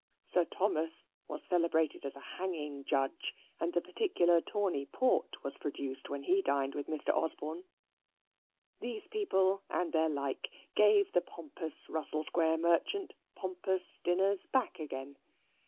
Sir Thomas was celebrated as a hanging judge, and the particular tawny port was produced when he dined with Mr. Osborne. These people and their like gave the pompous Russell Square merchant pompous dinners back again.